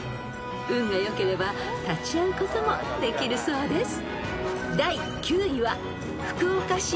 ［運が良ければ立ち会うこともできるそうです］